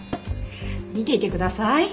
見ていてください。